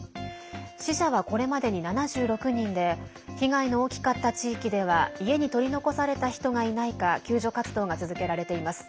死者は、これまでに７６人で被害の大きかった地域では家に取り残された人がいないか救助活動が続けられています。